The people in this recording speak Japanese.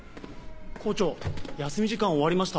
工長休み時間終わりました。